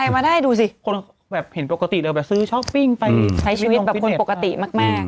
มาได้ดูสิคนแบบเห็นปกติเลยแบบซื้อช้อปปิ้งไปใช้ชีวิตแบบคนปกติมาก